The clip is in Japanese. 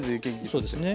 そうですね。